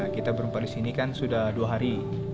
kita berompa disini kan sudah dua hari